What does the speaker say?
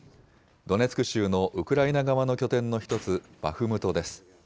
ドネツク州のウクライナ側の拠点の１つ、バフムトです。